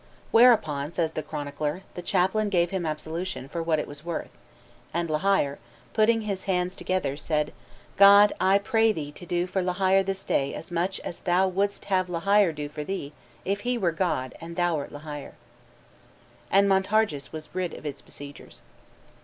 Whereupon, says the chronicler, the chaplain gave him absolution for what it was worth; and La Hire, putting his hands together, said, "God, I pray Thee to do for La Hire this day as much as Thou wouldst have La Hire do for Thee if he were God and Thou wert La Hire." And Montargis was rid of its besiegers.